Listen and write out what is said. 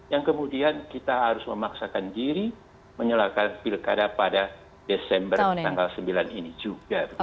yang kemudian kita harus memaksakan diri menyalahkan pilkada pada desember tanggal sembilan ini juga